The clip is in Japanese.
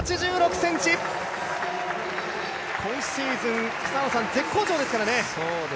今シーズン絶好調ですからね。